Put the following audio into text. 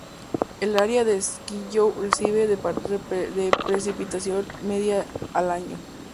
El área de Siskiyou recibe de de precipitación media al año.